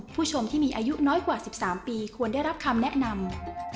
ผู้ชมที่มีอายุน้อยกว่า๑๓ปีควรได้รับคำแนะนำ